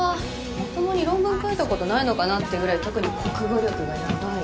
まともに論文書いたことないのかなっていうぐらい特に国語力がヤバい。